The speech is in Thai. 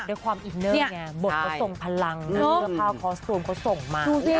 ด้วยความอินเนอร์ไงบทเขาส่งพลังผ้าคอสตูมเขาส่งมา